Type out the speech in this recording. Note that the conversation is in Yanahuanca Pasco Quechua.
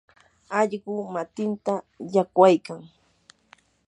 allqu matinta llaqwaykan.